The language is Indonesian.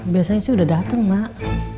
biasanya sih udah datang mak